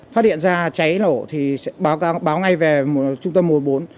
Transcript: xảy ra cháy nổ thì sẽ báo ngay về trung tâm mùa bốn